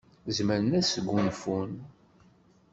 Zemren ad sgunfun.